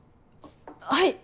はい！